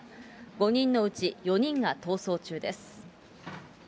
５人のうち４人が逃走中です。